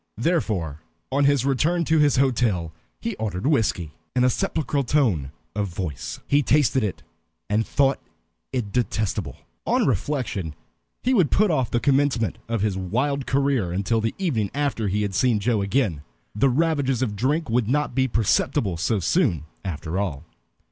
Therefore, on his return to his hotel, he ordered whiskey, in a sepulchral tone of voice. He tasted it, and thought it detestable. On reflection, he would put off the commencement of his wild career until the evening after he had seen Joe again. The ravages of drink would not be perceptible so soon, after all.